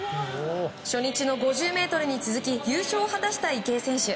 初日の５０ｍに続き優勝を果たした池江選手。